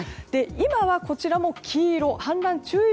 今は、こちらも黄色の氾濫注意